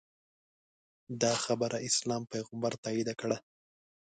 دا خبره اسلام پیغمبر تاییده کړه